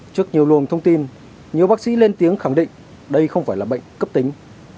trước nhiều luồng thông tin nhiều bác sĩ lên tiếng khẳng định đây không phải là bệnh cấp tính